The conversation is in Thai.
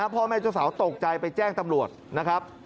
พ่อแม่เจ้าสาวตกใจไปแจ้งตำรวจนะครับ